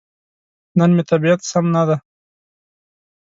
نن مې طبيعت سم ندی.